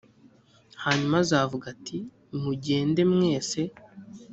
hanyuma azavuga ati mugende mwese